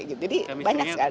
jadi banyak sekali